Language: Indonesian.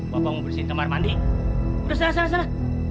bapak mau bersih tembar mandi udah sana sana sana